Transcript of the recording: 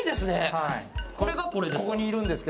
はいこれがこれですか？